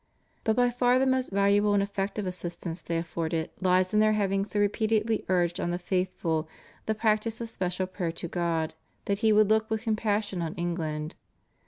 But by far the most valuable and effective assistance they afforded lies in their having so repeatedly urged on the faithful the practice of special prayer to God that He would look with compassion on England.